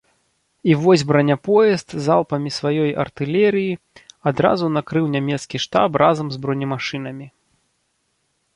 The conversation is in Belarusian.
І вось браняпоезд залпамі сваёй артылерыі адразу накрыў нямецкі штаб разам з бронемашынамі.